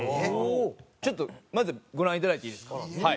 ちょっとまずご覧いただいていいですか？